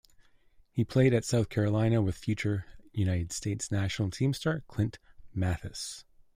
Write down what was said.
He played at South Carolina with future United States national team star Clint Mathis.